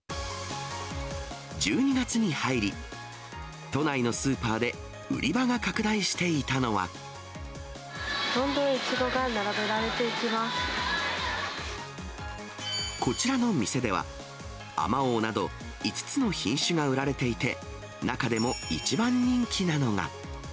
１２月に入り、都内のスーパーで、どんどんいちごが並べられてこちらの店では、あまおうなど、５つの品種が売られていて、中でも一番人気なのが。